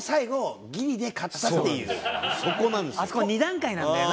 あそこが２段階なんだよな。